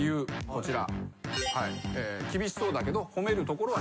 こちら。